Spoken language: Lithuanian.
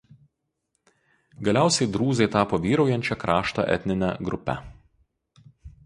Galiausiai drūzai tapo vyraujančia krašto etnine grupe.